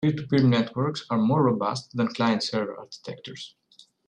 Peer-to-peer networks are more robust than client-server architectures.